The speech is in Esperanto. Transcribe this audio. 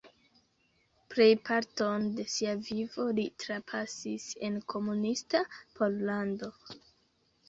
Plejparton de sia vivo li trapasis en komunista Pollando.